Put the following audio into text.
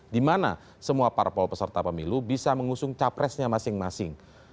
di mana semua parpol peserta pemilu bisa mengusung capresnya masing masing